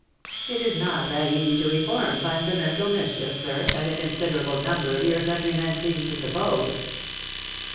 It is not that easy to reform fundamantal mischief, sir, as a considerable number of your countrymen seem to suppose."